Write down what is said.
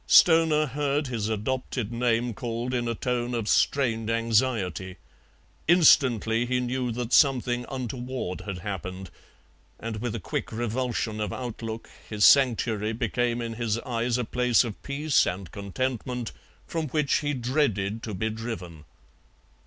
Stoner heard his adopted name called in a tone of strained anxiety. Instantly he knew that something untoward had happened, and with a quick revulsion of outlook his sanctuary became in his eyes a place of peace and contentment, from which he dreaded to be driven.